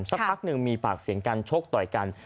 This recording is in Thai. สักพักหนึ่งมีปากเสียงกันชกต่อยกัน